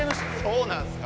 そうなんすか。